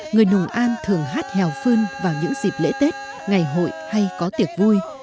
người nùng an thường hát hèo phương vào những dịp lễ tết ngày hội hay có tiệc vui